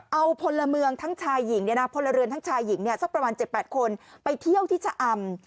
เอาคนละเมืองทั้งชายหญิง๗๘คนไปเที่ยวที่ชะอำ